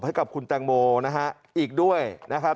ให้กับคุณแตงโมนะฮะอีกด้วยนะครับ